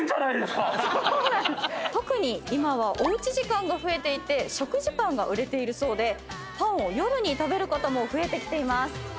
特に今はおうち時間が増えていて食事パンが売れているそうでパンを夜に食べる方も増えてきています。